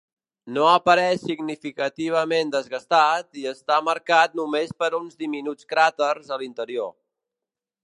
No apareix significativament desgastat, i està marcat només per uns diminuts cràters a l'interior.